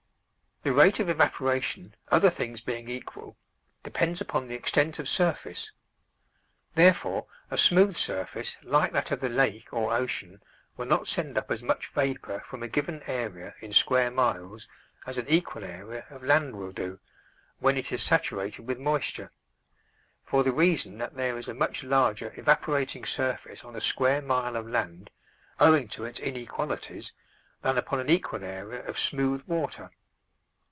The rate of evaporation, other things being equal, depends upon the extent of surface; therefore a smooth surface like that of the lake or ocean will not send up as much vapor from a given area in square miles as an equal area of land will do, when it is saturated with moisture, for the reason that there is a much larger evaporating surface on a square mile of land, owing to its inequalities, than upon an equal area of smooth water.